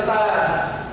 misalnya di tentara